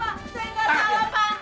pak saya gak salah pak